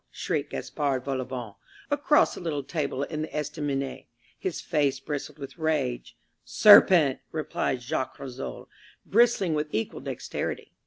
shrieked Gaspard Volauvent across the little table in the estaminet. His face bristled with rage. "Serpent!" replied Jacques Rissole, bristling with equal dexterity.